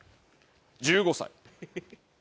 １５歳。